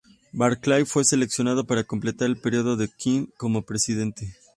Barclay fue seleccionado para completar el período de King como presidente.